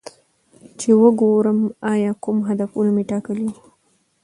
چې وګورم ایا کوم هدفونه مې ټاکلي وو